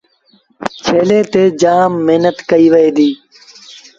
ڇيلي تي جآم مهنت ڪئيٚ وهي دي۔